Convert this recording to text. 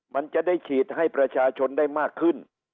มันจะได้ฉีดให้ประชาชนได้มากขึ้น